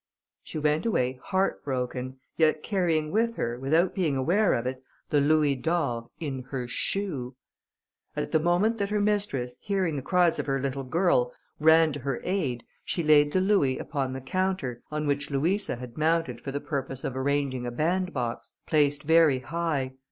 She went away heart broken, yet carrying with her, without being aware of it, the louis d'or in her shoe. At the moment that her mistress, hearing the cries of her little girl, ran to her aid, she laid the louis upon the counter, on which Louisa had mounted for the purpose of arranging a bandbox, placed very high.